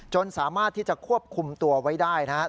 สามารถที่จะควบคุมตัวไว้ได้นะครับ